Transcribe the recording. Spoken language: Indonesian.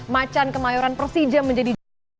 macan kemayoran persija menjadi